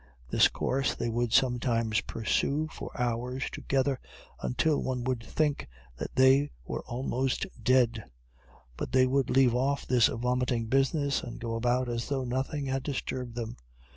This course they would sometimes pursue for hours together, until one would think that they were almost dead; but they would leave off this vomiting business and go about as though nothing had disturbed them.